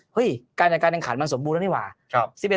การจัดการแข่งขันมันสมบูรณแล้วนี่หว่า